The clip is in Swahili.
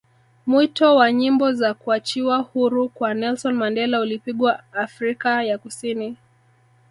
mwito wa nyimbo za kuachiwa huru kwa Nelson Mandela ulipigwa Afrika ya kusini